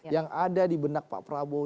yang ada dibenak pak prabowo